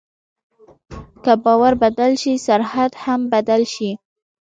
که باور بدل شي، سرحد هم بدل شي.